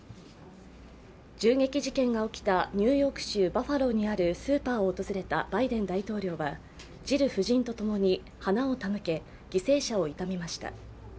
銃撃事件が起きたニューヨーク州バファローにあるスーパーを訪れたバイデン大統領はジル夫人と共に花を手向け、犠牲者を悼みました。